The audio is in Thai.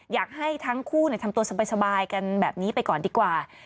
อยากให้ทั้งคู่ทำตัวสบายกันแบบนี้ไปก่อนดีกว่า